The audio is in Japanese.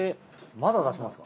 まだ出しますか？